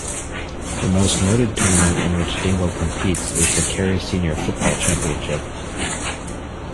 The most noted tournament in which Dingle competes is the Kerry Senior Football Championship.